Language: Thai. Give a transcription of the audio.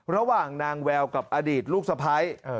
ระหว่างนางแววกับอดีตลูกสะพ้าย